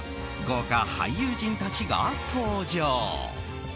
豪華俳優陣たちが登場。